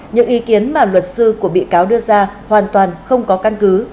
những ý kiến mà luật sư của bị cáo đưa ra hoàn toàn không có căn cứ